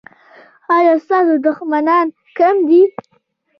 ایا ستاسو دښمنان کم دي؟